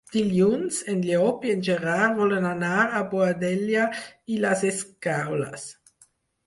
Dilluns en Llop i en Gerard volen anar a Boadella i les Escaules.